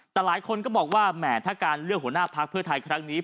แต่หลายคนก็บอกว่าแหมถ้าการเลือกหัวหน้าพักเพื่อไทยครั้งนี้